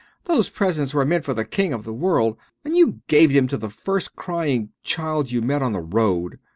Those presents were meant for the King of the World, and you gave them to the first crying child you met on the road."